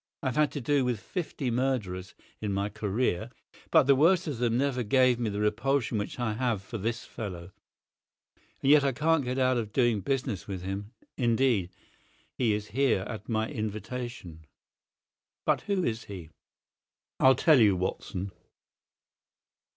I've had to do with fifty murderers in my career, but the worst of them never gave me the repulsion which I have for this fellow. And yet I can't get out of doing business with him—indeed, he is here at my invitation." "But who is he?" "I'll tell you, Watson.